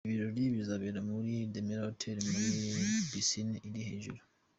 Ibi birori bizabera muri The Mirror Hotel kuri Pisine iri hejuru.